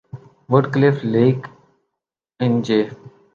would cliff Lake اینجے